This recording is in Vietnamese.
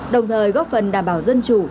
đồng thời góp phần đảm bảo dân chủ